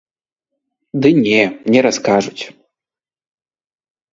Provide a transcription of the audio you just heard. Ды не, не раскажуць.